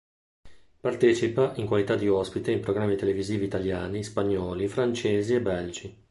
Partecipa in qualità di ospite in programmi televisivi italiani, spagnoli, francesi e belgi.